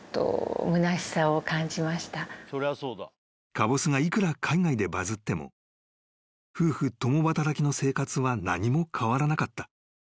［かぼすがいくら海外でバズっても夫婦共働きの生活は何も変わらなかった］